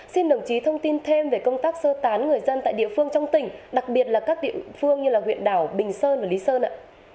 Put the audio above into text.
xin đồng chí thông tin thêm về công tác sơ tán người dân tại địa phương trong tỉnh đặc biệt là các địa phương như huyện đảo bình sơn và lý sơn ạ